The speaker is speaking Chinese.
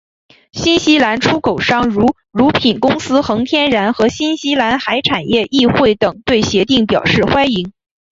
新西兰出口商如乳品公司恒天然和新西兰海产业议会等对协定表示欢迎。